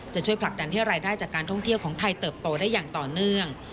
ช่วยผลักดันให้รายได้จากการท่องเที่ยวของไทยเติบโตได้อย่างต่อเนื่อง